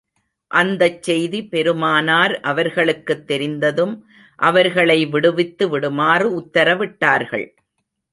அந்தச் செய்தி பெருமானார் அவர்களுக்குத் தெரிந்ததும், அவர்களை விடுவித்து விடுமாறு உத்தரவிட்டார்கள்.